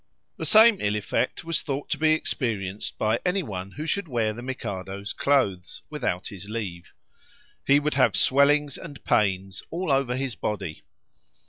The same ill effect was thought to be experienced by any one who should wear the Mikado's clothes without his leave; he would have swellings and pains all over his body.